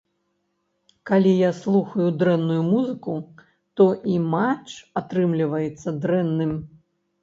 Калі я слухаю дрэнную музыку, то і матч атрымліваецца дрэнным.